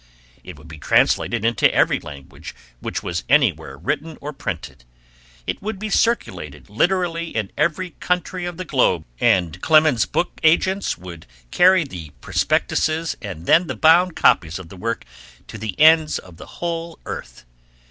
It would be translated into every language which was anywhere written or printed; it would be circulated literally in every country of the globe, and Clemens's book agents would carry the prospectuses and then the bound copies of the work to the ends of the whole earth.